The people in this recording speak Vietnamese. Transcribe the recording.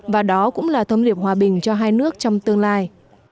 và đó cũng là thâm liệp hòa bình cho hai nước trong tương lai